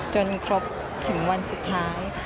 จนครบถึงวันสุดท้าย